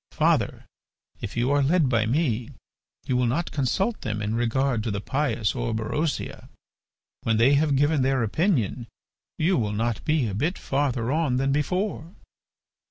Father, if you are led by me you will not consult them in regard to the pious Orberosia. When they have given their opinion you will not be a bit farther on than before.